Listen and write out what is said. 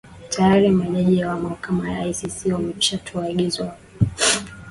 tayari majaji wa mahakama ya icc wameshatoa agizo kwa watuhumiwa hao kupanda kizimbani